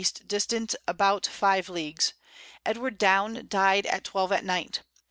distant about 5 Leagues. Edward Downe died at 12 at Night.